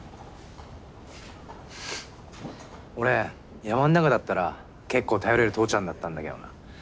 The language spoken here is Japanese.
俺山ん中だったら結構頼れる父ちゃんだったんだけどな。